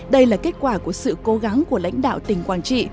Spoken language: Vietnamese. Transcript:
đây là kết quả của sự cố gắng của lãnh đạo tỉnh quảng trị